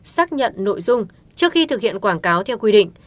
xác nhận nội dung trước khi thực hiện quảng cáo theo quy định